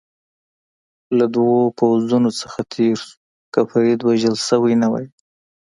له دوو پوځونو څخه تېر شو، که فرید وژل شوی نه وای.